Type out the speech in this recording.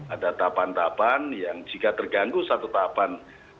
ada tahapan tahapan yang jika terganggu satu tahapan